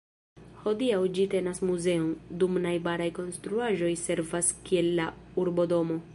Hodiaŭ ĝi tenas muzeon, dum najbaraj konstruaĵoj servas kiel la Urbodomo.